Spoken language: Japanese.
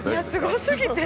「すごすぎて！